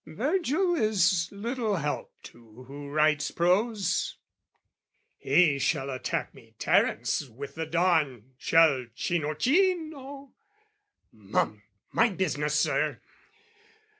Virgil is little help to who writes prose. He shall attack me Terence with the dawn, Shall Cinuccino! Mum, mind business, Sir!